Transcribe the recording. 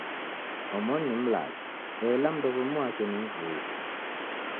Omoni ni mlacha ela mundu wa w'omi w'ake ni mvui.